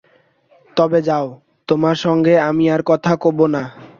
তবে যাও, তোমার সঙ্গে আমি আর কথা কব না।